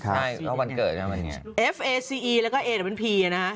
ขอบคุณมากส่งมาสุขสรรวรรค์วันเกิดพี่หนุ่ม